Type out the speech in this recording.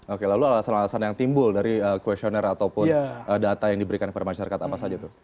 oke lalu alasan alasan yang timbul dari questionnaire ataupun data yang diberikan kepada masyarakat apa saja tuh